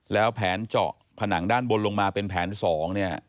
แล้วแผนเจาะผนังด้านบนลงมาเป็นแผน๒เนี่ย